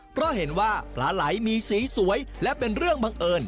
เพราะเห็นว่าปลาไหลมีสีสวยและเป็นเรื่องบังเอิญ